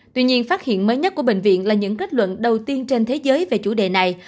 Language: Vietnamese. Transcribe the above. tuy nhiên phát hiện mới nhất của bệnh viện là những kết luận đầu tiên trên thế giới về chủ đề này